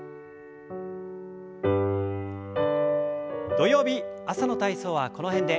土曜日朝の体操はこの辺で。